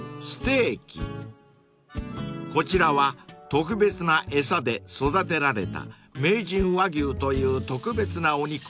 ［こちらは特別な餌で育てられた名人和牛という特別なお肉を使用］